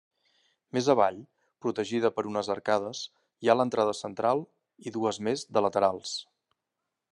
Més avall, protegida per unes arcades, hi ha l'entrada central, i dues més de laterals.